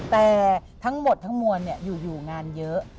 แต่ทั้งหมดทั้งมวลอยู่งานเยอะ